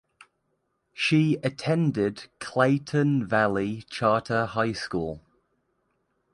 She attended Clayton Valley Charter High School.